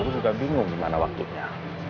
itu juga bingung gimana waktunya